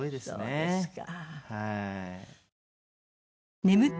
そうですか。